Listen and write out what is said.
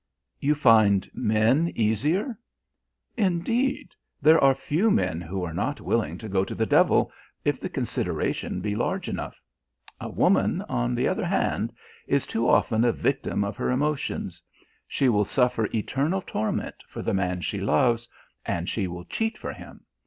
"You find men easier?" "Indeed, there are few men who are not willing to go to the devil if the consideration be large enough. A woman, on the other hand, is too often the victim of her emotions. She will suffer eternal torment for the man she loves, and she will cheat for him.